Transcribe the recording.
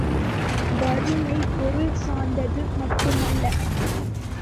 வறுமை, பொருள் சார்ந்தது மட்டுமல்ல.